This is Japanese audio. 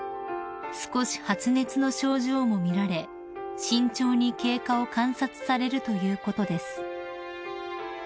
［少し発熱の症状も見られ慎重に経過を観察されるということです］